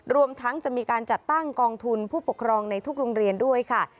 รวมทั้งจะมีการจัดตั้งกองทุนผู้ปกครองในทุกโรงเรียนด้วยค่ะ